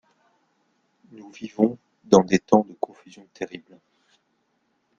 Nous vivons dans des temps de confusion terrible.